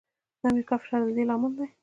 د امریکا فشار د دې لامل دی.